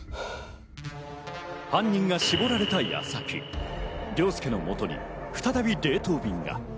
犯人が絞られた矢先、凌介の元に再び冷凍便が。